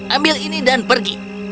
ambil ini dan pergi